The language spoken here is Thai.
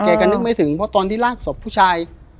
กันนึกไม่ถึงเพราะตอนที่ลากศพผู้ชาย